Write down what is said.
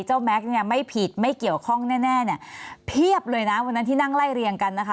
แม็กซ์เนี่ยไม่ผิดไม่เกี่ยวข้องแน่แน่เนี่ยเพียบเลยนะวันนั้นที่นั่งไล่เรียงกันนะคะ